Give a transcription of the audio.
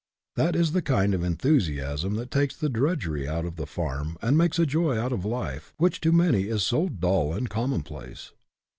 That is the kind of enthusiasm that takes the drudgery out of the farm and makes a joy out of a life which to many is so dull and commonplace.